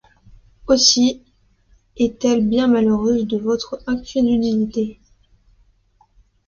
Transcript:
Aussi est-elle bien malheureuse de votre incrédulité.